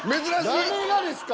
誰がですか！